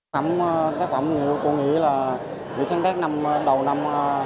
các tác phẩm của tôi nghĩ là bị sáng tác đầu năm hai nghìn một mươi sáu